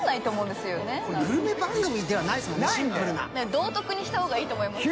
道徳にした方がいいと思いますよ。